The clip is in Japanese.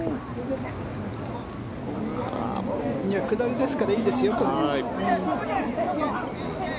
下りですからいいですよ。